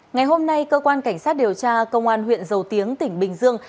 ngày hôm nay cơ quan cảnh sát điều tra công an huyện dầu tiếng tỉnh bình dương